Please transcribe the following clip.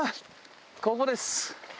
ここです。